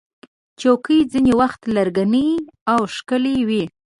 چوکۍ ځینې وخت لرګینې او ښکلې وي.